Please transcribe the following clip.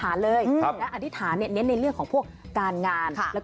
อย่างแรกเลยก็คือการทำบุญเกี่ยวกับเรื่องของพวกการเงินโชคลาภ